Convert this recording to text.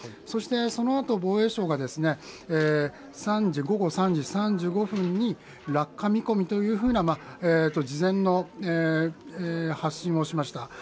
そしてそのあと防衛省が午後３時３５分に落下見込みというような事前の発信をしました。